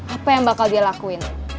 apa yang bakal dia lakuin